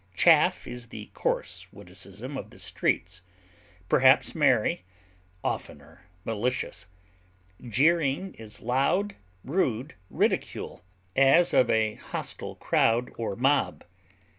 Chaff is the coarse witticism of the streets, perhaps merry, oftener malicious; jeering is loud, rude ridicule, as of a hostile crowd or mob.